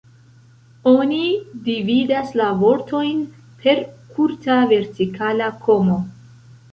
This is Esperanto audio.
Oni dividas la vortojn per kurta vertikala komo.